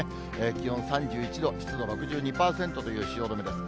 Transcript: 気温３１度、湿度６２％という汐留です。